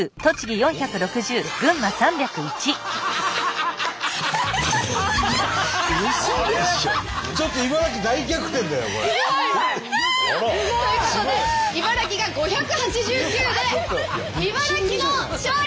やった！ということで茨城が５８９で茨城の勝利！